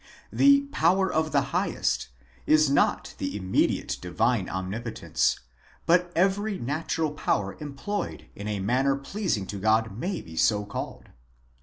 The power of the Highest—divams dpicrov—is not the immediate divine omni potence, but every natural power employed in a manner pleasing to God may be so called.